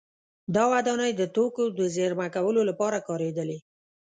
دا ودانۍ د توکو د زېرمه کولو لپاره کارېدلې